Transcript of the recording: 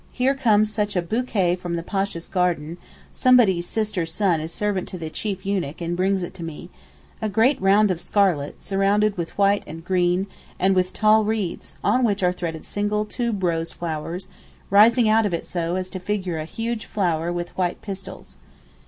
Here comes such a bouquet from the Pasha's garden (somebody's sister's son is servant to the chief eunuch and brings it to me), a great round of scarlet, surrounded with white and green and with tall reeds, on which are threaded single tube rose flowers, rising out of it so as to figure a huge flower with white pistils.